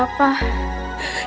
nah di bunda mati